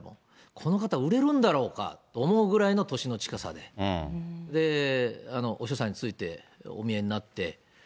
この方売れるんだろうかと思うぐらいの年の近さで、お師匠さんについてお見えになって。